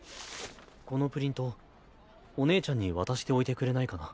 このプリントお姉ちゃんに渡しておいてくれないかな。